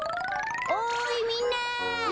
おいみんな！